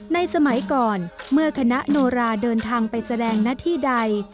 สมัยก่อนเมื่อคณะโนราเดินทางไปแสดงหน้าที่ใด